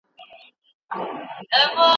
موږ له کلونو راهیسې د چاپیریال ساتنې هڅه کوو.